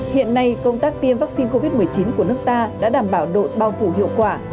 hiện nay công tác tiêm vaccine covid một mươi chín của nước ta đã đảm bảo độ bao phủ hiệu quả